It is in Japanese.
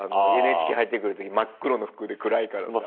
ＮＨＫ入ってくるとき真っ黒の服で暗いからさ。